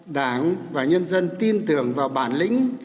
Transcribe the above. đảng và nhân dân tin tưởng vào bản lĩnh